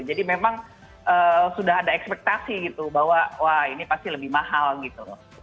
jadi memang sudah ada ekspektasi gitu bahwa wah ini pasti lebih mahal gitu